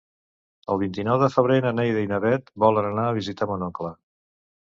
El vint-i-nou de febrer na Neida i na Bet volen anar a visitar mon oncle.